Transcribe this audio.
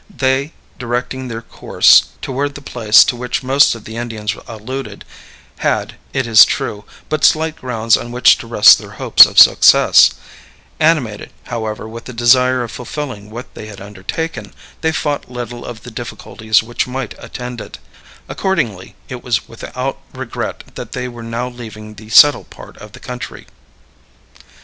They, directing their course toward the place to which most of the Indians alluded, had, it is true, but slight grounds on which to rest their hopes of success; animated, however, with the desire of fulfilling what they had undertaken, they thought little of the difficulties which might attend it: accordingly, it was without regret that they were now leaving the settled part of the country.